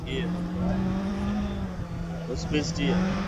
A newspaper, "The Yellowstone County News", was based here.